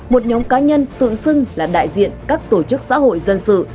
một nhóm cá nhân tự xưng là đại diện các tổ chức xã hội dân sự